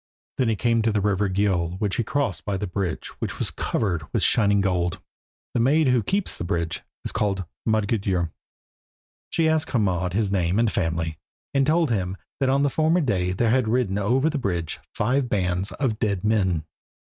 Then he came to the river Gjöll which he crossed by the bridge which is covered with shining gold. The maid who keeps the bridge is called Modgudur. She asked Hermod his name and family, and told him that on the former day there had ridden over the bridge five bands of dead men.